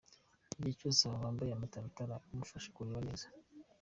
Igihe cyose aba yambaye amataratara amufasha kureba neza.